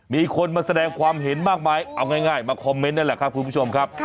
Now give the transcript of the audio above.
มีคนมาแสดงความเห็นมากมายเอาง่ายมาคอมเมนต์นั่นแหละครับคุณผู้ชมครับ